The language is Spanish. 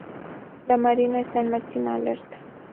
La marina está en máxima alerta.